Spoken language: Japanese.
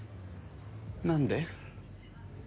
何で？